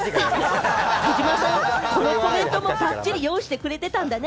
このコメントもばっちり用意してくれていたんだね。